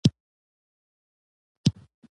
احمد شاه بابا د ولس غمخوار واکمن و.